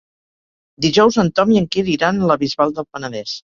Dijous en Tom i en Quer iran a la Bisbal del Penedès.